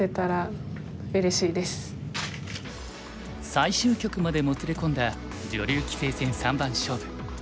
最終局までもつれ込んだ女流棋聖戦三番勝負。